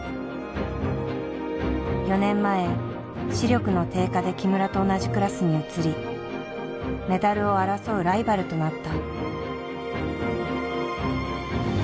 ４年前視力の低下で木村と同じクラスに移りメダルを争うライバルとなった。